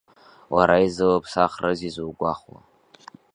Лара изылԥсахрызи зугәахәуа.